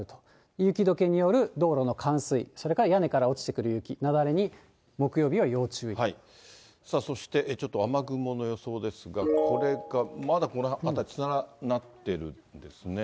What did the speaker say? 雪どけによる道路の冠水、それから屋根から落ちてくる雪、さあ、そしてちょっと雨雲の予想ですが、これがまだこの辺り連なってるんですね。